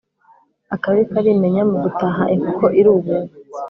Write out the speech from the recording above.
Akabi karimenya mu gutaha inkoko irububa